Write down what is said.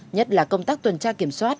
nhất là công tác tuần tra kiểm soát